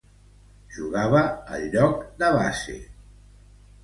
Jugava al lloc de base.